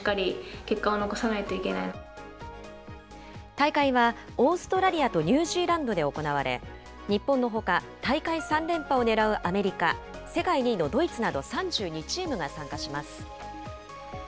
大会はオーストラリアとニュージーランドで行われ、日本のほか、大会３連覇を狙うアメリカ、世界２位のドイツなど、３２チームが参加します。